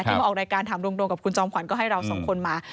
มาออกรายการถามรวมกับคุณจอมขวัญก็ให้เราสองคนมา